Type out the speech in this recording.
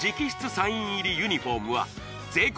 サイン入りユニフォームは税込